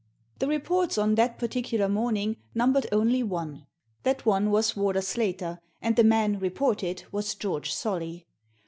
The reports " on that particular morning numbered only one : that one was Warder Slater, and the man " reported " was George Solly.